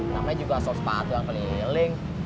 namanya juga sor sepatu yang keliling